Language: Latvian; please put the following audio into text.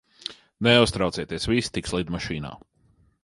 Neuztraucieties, visi tiks lidmašīnā.